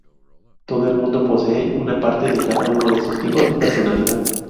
Todo el mundo posee una parte de cada uno de estos tipos de personalidad.